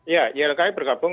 ya ilki bergabung